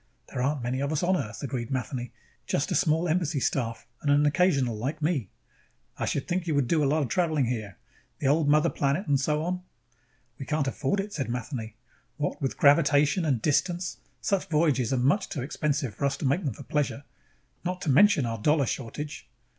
"There aren't many of us on Earth," agreed Matheny. "Just a small embassy staff and an occasional like me." "I should think you would do a lot of traveling here. The old mother planet and so on." "We can't afford it," said Matheny. "What with gravitation and distance, such voyages are much too expensive for us to make them for pleasure. Not to mention our dollar shortage."